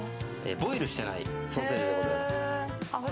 ボイルしていないソーセージでございます。